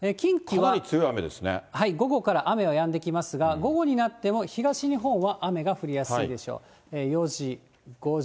はい、午後から雨はやんできますが、午後になっても東日本は雨が降りやすいでしょう。